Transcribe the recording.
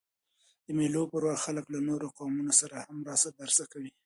د مېلو پر وخت خلک له نورو قومونو سره هم راسه درسه کوي.